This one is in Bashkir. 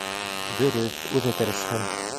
— Дөрөҫ, үҙе тырышһын.